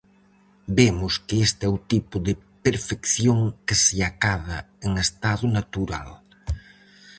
Vemos que este é o tipo de perfección que se acada en estado natural.